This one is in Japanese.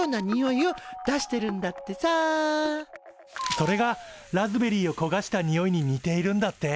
それがラズベリーをこがしたにおいに似ているんだって。